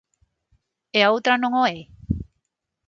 E a outra non o é?